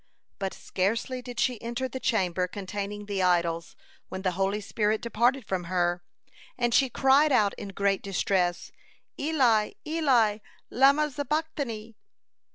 But scarcely did she enter the chamber containing the idols, when the holy spirit departed from her, and she cried out in great distress: "Eli, Eli, lamah azabtani!